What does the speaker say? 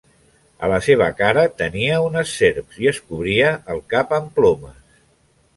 A la seva cara tenia unes serps i es cobria el cap amb plomes.